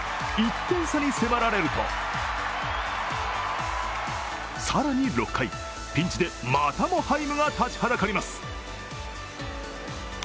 １点差に迫られると更に６回、ピンチでまたもハイムが立ちはだかります。